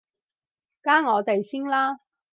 加我哋先啦